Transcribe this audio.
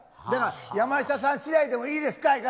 だから「山下さんしだいでもいいですか」